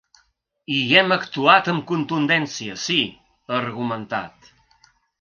I hi hem actuat amb contundència, sí, ha argumentat.